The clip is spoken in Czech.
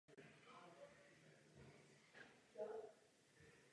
Se svým kmenem žil na území Valašska v dnešním Rumunsku.